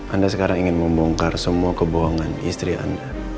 anda sekarang ingin membongkar semua kebohongan istri anda